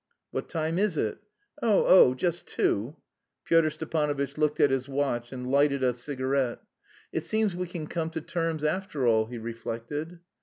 "What time is it?" "Oh oh, just two." Pyotr Stepanovitch looked at his watch and lighted a cigarette. "It seems we can come to terms after all," he reflected.